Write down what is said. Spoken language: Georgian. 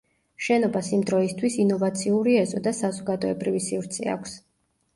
შენობას იმ დროისთვის ინოვაციური ეზო და საზოგადოებრივი სივრცე აქვს.